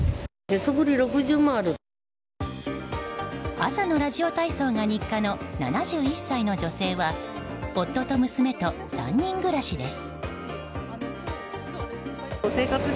朝のラジオ体操が日課の７１歳の女性は夫と娘と３人暮らしです。